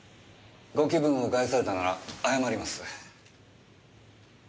ご気分を害されたなら謝ります。